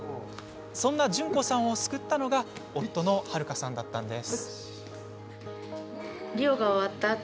そんな順子さんを救ったのが夫の悠さんだったんです。